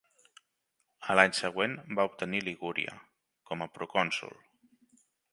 A l'any següent va obtenir Ligúria com a procònsol.